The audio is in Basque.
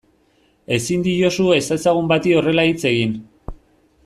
Ezin diozu ezezagun bati horrela hitz egin.